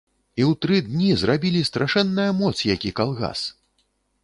І ў тры дні зрабілі страшэнная моц які калгас!